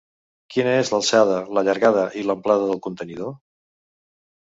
Quina és l'alçada, la llargada i l'amplada del contenidor?